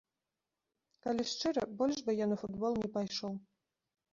Калі шчыра, больш бы я на футбол не пайшоў.